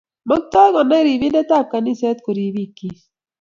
Maktoi konai ribindet ab kaniset koriib bik chiik